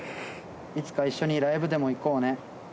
いつか一緒にライブでも行こうね。